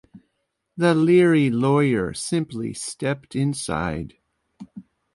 The leery lawyer simply stepped inside.